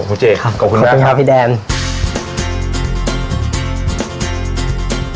โอเจขอบคุณมากครับพี่แดมครับ